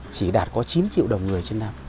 chỉ đạt có chín triệu đồng người